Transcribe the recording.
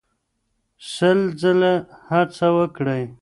سل ځله هڅه وکړئ.